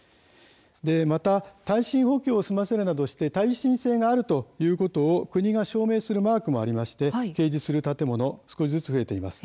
また耐震補強を済ませるなどして耐震性があるということを国が証明するマークもありまして掲示する建物も少しずつ増えています。